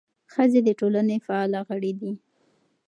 ښځې د ټولنې فعاله غړي دي.